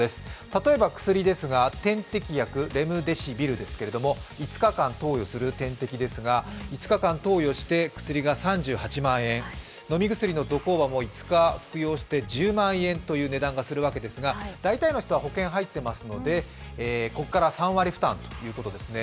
例えば薬ですが点滴薬レムデシビルですが５日間投与する薬ですが、薬が３８万円飲み薬のゾコーバも５日服用して１０万円という値段がするわけですが、大体の人は保険に入っていますのでここから３割負担ということですね。